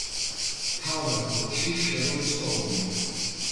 მთავარ როლში შერონ სტოუნი.